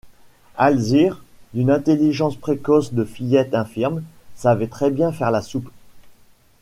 Alzire, d’une intelligence précoce de fillette infirme, savait très bien faire la soupe.